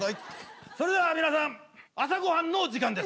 それでは皆さん朝ご飯の時間です。